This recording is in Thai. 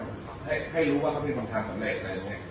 อะไรที่เกี่ยวกันให้รู้ว่าเขาเป็นคนทำสำเร็จอะไรยังไงนะครับ